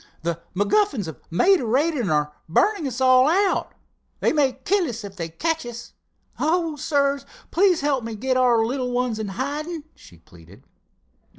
"The MacGuffins have made a raid and are burning us all out! They may kill us if they catch us. Oh, sirs, help me get our little ones in hiding," she pleaded.